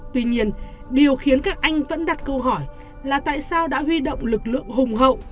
tuy nhiên điều khiến các anh vẫn đặt câu hỏi là tại sao đã huy động lực lượng hùng hậu